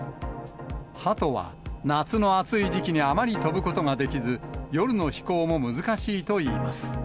ハトは夏の暑い時期にあまり飛ぶことができず、夜の飛行も難しいといいます。